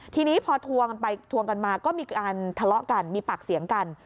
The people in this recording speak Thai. ทีนี้พอทวงกันไปทวงกันมาก็มีการทะเลาะกันมีปากเสียงกัน